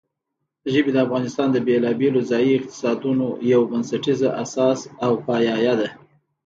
ژبې د افغانستان د بېلابېلو ځایي اقتصادونو یو بنسټیزه اساس او پایایه ده.